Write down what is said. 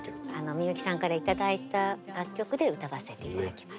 みゆきさんから頂いた楽曲で歌わせて頂きます。